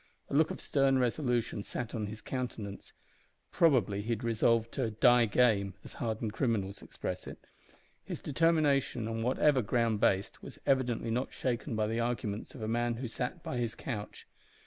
A look of stern resolution sat on his countenance probably he had resolved to "die game," as hardened criminals express it. His determination, on whatever ground based, was evidently not shaken by the arguments of a man who sat by his couch.